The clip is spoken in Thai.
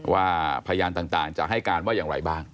ว่าพยานต่างจะให้การว่าอย่างไรบ้าง